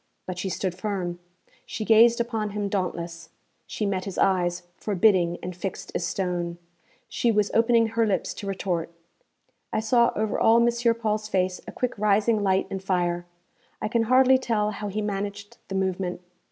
But she stood firm; she gazed upon him dauntless; she met his eyes, forbidding and fixed as stone. She was opening her lips to retort. I saw over all M. Paul's face a quick rising light and fire. I can hardly tell how he managed the movement.